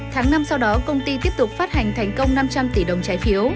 tháng năm sau đó công ty tiếp tục phát hành thành công năm trăm linh tỷ đồng trái phiếu